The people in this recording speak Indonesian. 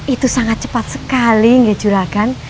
itu sangat cepat sekali nge juragan